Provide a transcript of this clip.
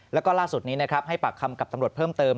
แล้วก็ล่าสุดนี้นะครับให้ปากคำกับตำรวจเพิ่มเติม